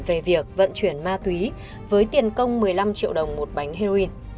về việc vận chuyển ma túy với tiền công một mươi năm triệu đồng một bánh heroin